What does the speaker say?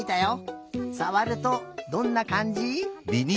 さわるとどんなかんじ？